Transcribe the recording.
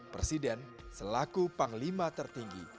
presiden selaku panglima tertinggi